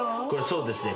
そうですね。